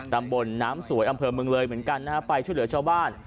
ตำบลน้ำสวยอำเภอเมืองเลยเหมือนกันนะฮะไปช่วยเหลือชาวบ้าน